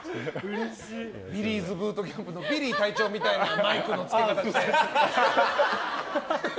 「ビリーズブートキャンプ」のビリー隊長みたいなマイクのつけ方して！